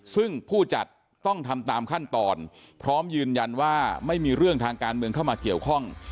ซึ่งผู้จัดต้องทำตามขั้นตอนพร้อมยืนยันว่าไม่มีเรื่องทางการเมืองเข้ามาเกี่ยวข้อง